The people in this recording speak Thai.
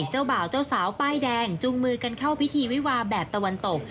เจ้าบ่าวเจ้าสาวป้ายแดงจุงมือกันเข้าพิธีวิวาแบบตะวันตก